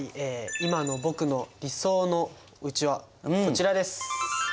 今の僕の理想のうちはこちらです！